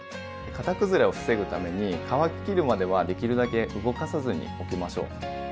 型崩れを防ぐために乾ききるまではできるだけ動かさずにおきましょう。